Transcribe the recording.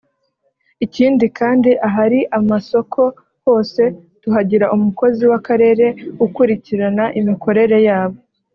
Ikindi kandi ahari amasoko hose tuhagira umukozi w’akarere ukurikirana imikorere yabo